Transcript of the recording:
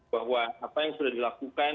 bahwa apa yang sudah dilakukan